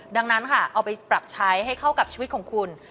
ดังนั้นค่ะเอาไปปรับใช้ให้เข้ากับชีวิตของคุณ